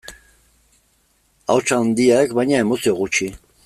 Ahots handiak, baina emozio gutxi.